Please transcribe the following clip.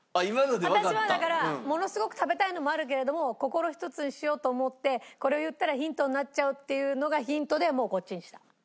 私はだからものすごく食べたいのもあるけれども心ひとつにしようと思ってこれを言ったらヒントになっちゃうっていうのがヒントでもうこっちにした。